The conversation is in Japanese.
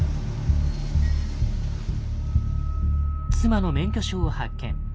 妻の免許証を発見。